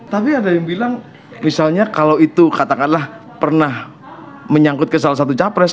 tapi ada yang bilang misalnya kalau itu katakanlah pernah menyangkut ke salah satu capres